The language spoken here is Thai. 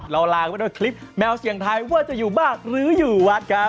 ลากันไปด้วยคลิปแมวเสียงไทยว่าจะอยู่บ้านหรืออยู่วัดครับ